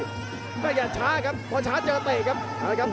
แม่งอย่าช้าครับพอช้าเจอก็เตะครับ